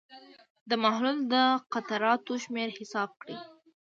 د محلول د قطراتو شمېر حساب کړئ.